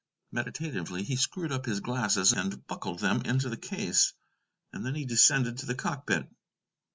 Meditatively he screwed up his glasses and buckled them into the case, and then he descended to the cockpit.